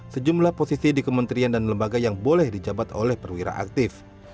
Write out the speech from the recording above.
sejumlah posisi di kementerian dan lembaga yang boleh dijabat oleh perwira aktif